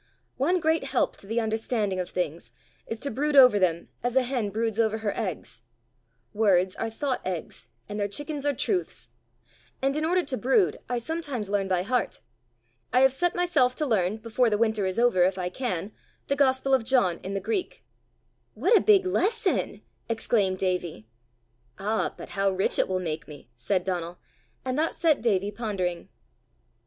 "One great help to the understanding of things is to brood over them as a hen broods over her eggs: words are thought eggs, and their chickens are truths; and in order to brood I sometimes learn by heart. I have set myself to learn, before the winter is over if I can, the gospel of John in the Greek." "What a big lesson!" exclaimed Davie. "Ah, but how rich it will make me!" said Donal, and that set Davie pondering.